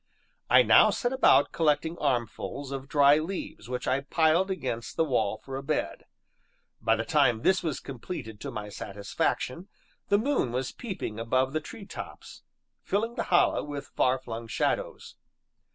I now set about collecting armfuls of dry leaves, which I piled against the wall for a bed. By the time this was completed to my satisfaction, the moon was peeping above the treetops, filling the Hollow with far flung shadows.